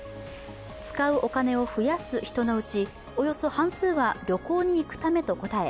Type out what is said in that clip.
使うお金を増やす人のうちおよそ半数は旅行に行くためと答え、